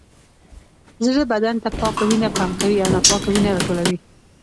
زړه بدن ته پاکه وینه پمپ کوي او ناپاکه وینه راټولوي